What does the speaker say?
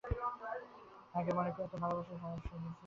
আগে মনে করতুম, ভালোবাসাই সহজ– সব স্ত্রী সব স্বামীকে আপনিই ভালোবাসে।